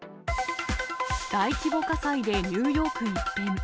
大規模火災でニューヨーク一変。